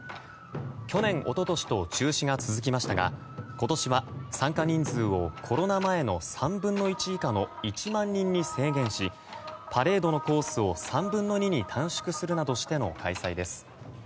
去年、一昨年と中止が続きましたが今年は参加人数をコロナ前の３分の１以下の１万人に制限しパレードのコースを３分の２に短縮するなどしての開催です。